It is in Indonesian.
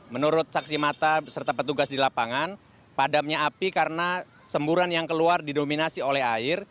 menurut saksi mata serta petugas di lapangan padamnya api karena semburan yang keluar didominasi oleh air